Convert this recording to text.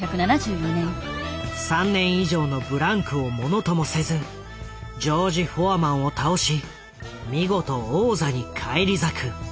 ３年以上のブランクをものともせずジョージ・フォアマンを倒し見事王座に返り咲く。